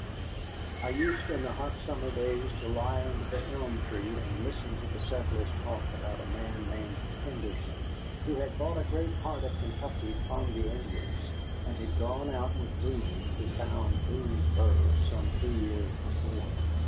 I used in the hot summer days to lie under the elm tree and listen to the settlers' talk about a man named Henderson, who had bought a great part of Kentucky from the Indians, and had gone out with Boone to found Boonesboro some two years before.